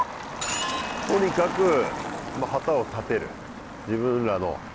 とにかく旗を立てる自分らの。